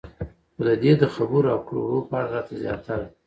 خو د دې د خبرو او کړو وړو په اړه راته زياتره